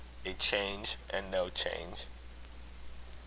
A CHANGE AND NO CHANGE.